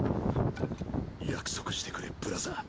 約束してくれブラザー。